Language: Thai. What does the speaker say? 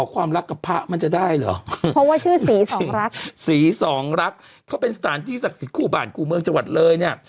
เขาเป็นสถานที่ศักดิ์สิทธิ์คู่บ้านคู่เมืองจังหวัดเลยเนี่ย